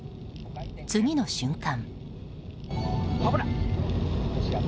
次の瞬間。